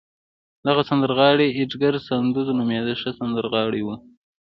دغه سندرغاړی اېدګر ساندرز نومېده، ښه سندرغاړی و.